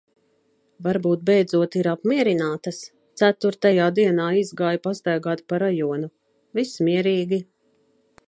Varbūt beidzot ir apmierinātas. Ceturtajā dienā izgāju pastaigāt pa rajonu. Viss mierīgi.